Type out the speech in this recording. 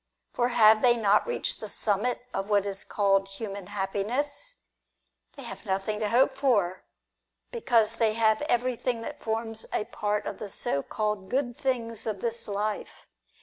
For have they not reached the summit of what is called human happiness ? They have nothing to hope for, because they have everything that forms a part of the so called good things of this life.